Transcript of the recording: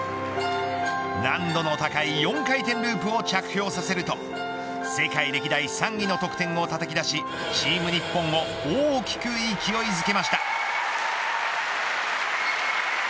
難度の高い４回転ループを着氷させると世界歴代３位の得点をたたき出しチーム日本を大きく勢いづけました。